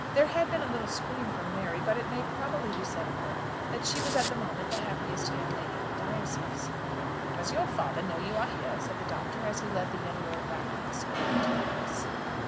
There had been a little scream from Mary, but it may probably be said of her that she was at the moment the happiest young lady in the diocese. "Does your father know you are here?" said the Doctor, as he led the young lord back from the school into the house.